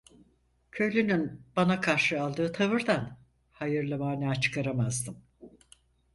Köylünün bana karşı aldığı tavırdan hayırlı mana çıkaramazdım.